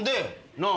なあ？